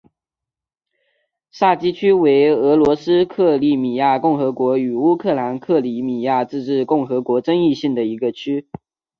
萨基区为俄罗斯克里米亚共和国与乌克兰克里米亚自治共和国争议性的一个区。